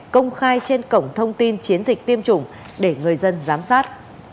công khai trên cổng thông tin chiến dịch tiêm chủng để người dân giám sát